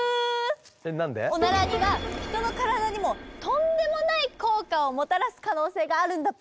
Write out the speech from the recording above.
オナラには人の体にもとんでもない効果をもたらす可能性があるんだぷ。